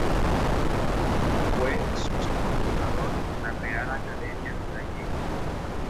Fue socio fundador de la Real Academia Gallega.